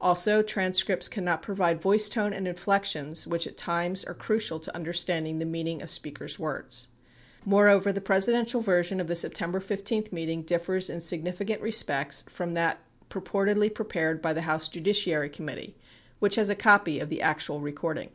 Also transcripts cannot provide voice tone and inflections which at times are crucial to understanding the meaning of speakers' words. Moreover, the presidential version of the September 15 meeting dif fers in significant respects from that purportedly prepared by the House Judiciary Committee, which lias a copy of the actual record ing.